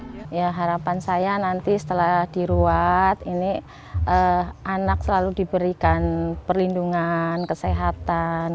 ya harapan saya nanti setelah diruat ini anak selalu diberikan perlindungan kesehatan